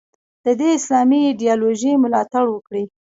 د دې اسلامي ایدیالوژۍ ملاتړ وکړي.